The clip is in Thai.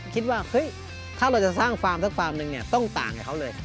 คิดว่าเฮ้ยถ้าเราจะสร้างฟาร์มสักฟาร์มหนึ่งเนี่ยต้องต่างกับเขาเลย